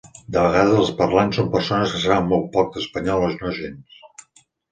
De vegades, els parlants són persones que saben molt poc d'espanyol o no gens.